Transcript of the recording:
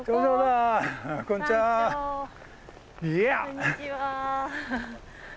こんにちは。